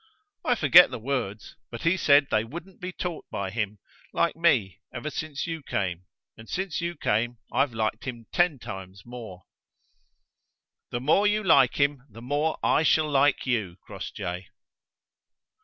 "I forget the words: but he said they wouldn't be taught by him, like me, ever since you came; and since you came I've liked him ten times more." "The more you like him the more I shall like you, Crossjay."